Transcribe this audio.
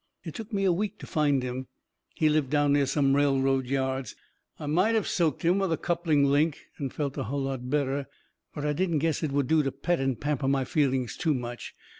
It took me a week to find him. He lived down near some railroad yards. I might of soaked him with a coupling link and felt a hull lot better. But I didn't guess it would do to pet and pamper my feelings too much.